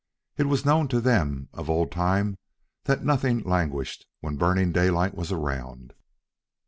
It was known to them of old time that nothing languished when Burning Daylight was around.